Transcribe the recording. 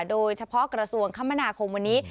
โดยเฉพาะกระทรวงคมนาคมวันนี้